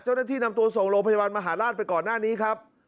เจ้าหน้าที่นำตัวส่งโรงพยาบาลมหาราชไปก่อนหน้านี้ครับ